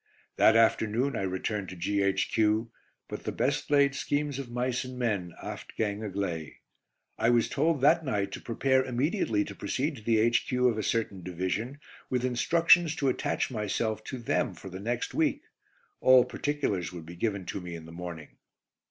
That afternoon I returned to G.H.Q., but the best laid schemes of mice and men aft gang agley. I was told that night to prepare immediately to proceed to the H.Q. of a certain Division, with instructions to attach myself to them for the next week; all particulars would be given to me in the morning.